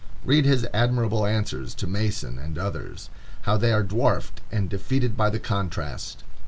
Read his admirable answers to Mason and others. How they are dwarfed and defeated by the contrast!